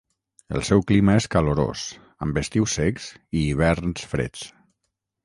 El seu clima és calorós, amb estius secs i hiverns freds.